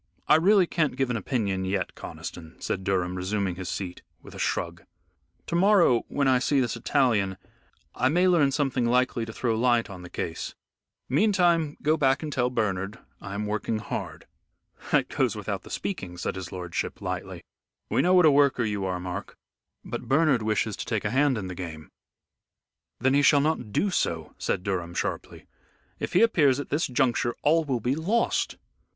I really can't give an opinion yet, Conniston," said Durham resuming his seat, with a shrug; "to morrow, when I see this Italian, I may learn something likely to throw light on the case. Meantime go back and tell Bernard I am working hard." "That goes without the speaking," said his lordship, lightly; "we know what a worker you are, Mark. But Bernard wishes to take a hand in the game." "Then he shall not do so," said Durham, sharply. "If he appears at this juncture all will be lost.